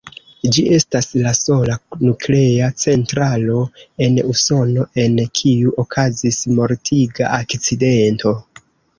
Ĝi estas la sola nuklea centralo en Usono, en kiu okazis mortiga akcidento.